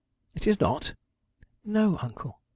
'It is not?' 'No, uncle.'